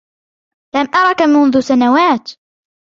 لم أرك منذ سنوات.